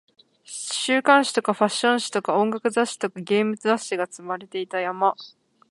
週刊誌とかファッション誌とか音楽雑誌とかゲーム雑誌が積まれていた山